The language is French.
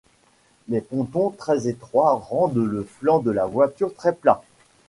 Les pontons, très étroits, rendent le flanc de la voiture très plat.